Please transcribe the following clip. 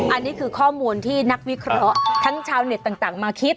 อันนี้คือข้อมูลที่นักวิเคราะห์ทั้งชาวเน็ตต่างมาคิด